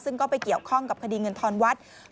ซึ่งก็ไปเกี่ยวข้องกับคดีเงินทอนวัด